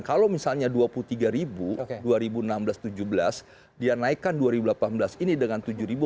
kalau misalnya dua puluh tiga ribu dua belas dua ribu tujuh belas dia naikkan dua ribu delapan belas ini dengan tujuh ribu